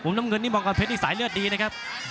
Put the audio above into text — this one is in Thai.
มองกรเผชนี่สายเลือดดีนะครับ